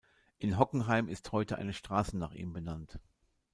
In Hockenheim ist heute eine Straße nach ihm benannt.